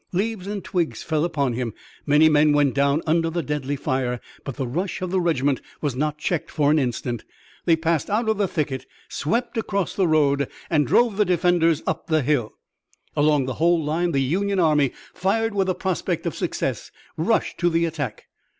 Leaves and twigs fell upon him. Many men went down under the deadly fire, but the rush of the regiment was not checked for an instant. They passed out of the thicket, swept across the road, and drove the defenders up the hill. Along the whole line the Union army, fired with the prospect of success, rushed to the attack.